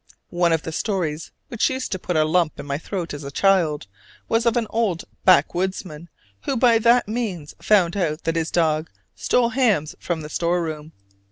One of the stories which used to put a lump in my throat as a child was of an old backwoodsman who by that means found out that his dog stole hams from the storeroom.